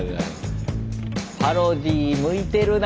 パロディー向いてるな。